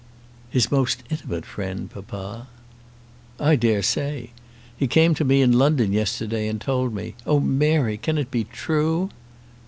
"His most intimate friend, papa." "I dare say. He came to me, in London yesterday, and told me ! Oh Mary, can it be true?"